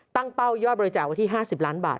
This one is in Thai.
เป้ายอดบริจาคไว้ที่๕๐ล้านบาท